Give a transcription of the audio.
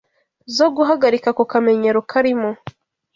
zo guhagarika ako kamenyero karimo